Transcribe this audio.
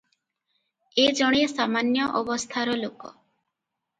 ଏ ଜଣେ ସାମାନ୍ୟ ଅବସ୍ଥାର ଲୋକ ।